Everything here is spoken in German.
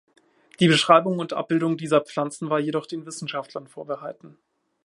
Die Beschreibung und Abbildung dieser Pflanzen war jedoch den Wissenschaftlern vorbehalten.